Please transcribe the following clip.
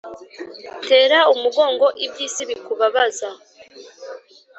Tera umugongo iby'isi bikubabaza